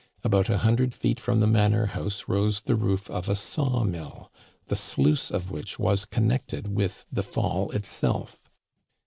About a hundred feet from the manor house rose the roof of a saw mill, the sluice of which was connected with the fall itself.